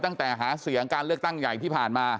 ตั้งแต่หาเสียงการเลือกตั้งใหญ่ที่ผ่านมา